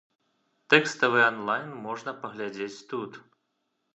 Тэкставы анлайн можна паглядзець тут.